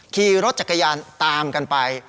ขี่รถจักรยานตามกันไป